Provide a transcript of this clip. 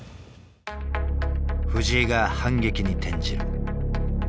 藤井が反撃に転じる。